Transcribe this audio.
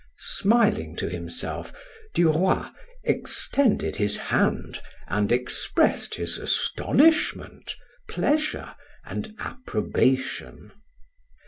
Smiling to himself, Duroy extended his hand and expressed his astonishment, pleasure, and approbation.